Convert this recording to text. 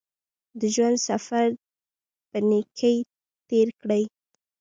د ژوند سفر په نېکۍ تېر کړئ.